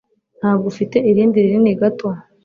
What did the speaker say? Ntabwo ufite irindi rinini gato?